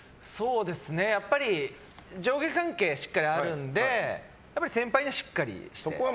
上下関係がしっかりとあるので先輩にはしっかりして。